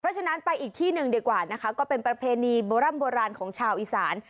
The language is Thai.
ฉะนั้นไปอีกที่หนึ่งดีกว่านะคะก็เป็นประเพณีโบร่ำโบราณของชาวอีสาน